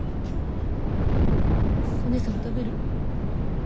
お姉さんも食べる？